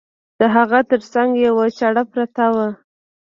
د هغه تر څنګ یوه چاړه پرته وه.